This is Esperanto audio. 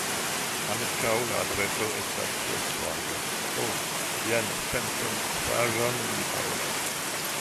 Ankaŭ la adreso estos tre stranga: Ho, kian sensencaĵon mi parolas!